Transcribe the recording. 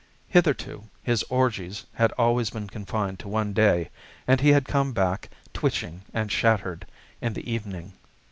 Hitherto his orgies had always been confined to one day, and he had come back, twitching and shattered, in the evening.